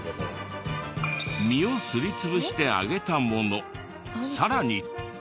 身をすり潰して揚げたものさらに。